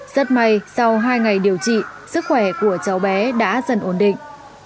rất may sau hai ngày điều trị sức khỏe của cháu bé đã dần ổn định